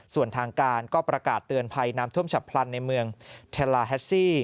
ส่วนทางการก็ประกาศเตือนภัยน้ำท่วมฉับพลันในเมืองเทลาแฮสซี่